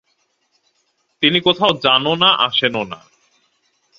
তিনি কোথাও যানও না, আসেনও না।